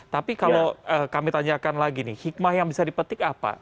tapi kalau kami tanyakan lagi nih hikmah yang bisa dipetik apa